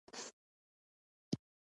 آیا دوی نه غواړي شنه اقتصاد ولري؟